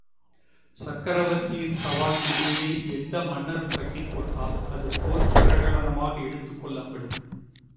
சக்கரவர்த்தியின் சவால் குதிரையை, எந்த மன்னரும் கட்டிப் போட்டால், அது போர்ப் பிரகடனமாக எடுத்துக் கொள்ளப்படும்.